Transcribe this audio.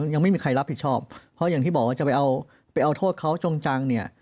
ยังไม่มีใครรับผิดชอบเพราะอย่างที่บอกว่าจะไปเอาไปเอาโทษเขาจงจังเนี่ย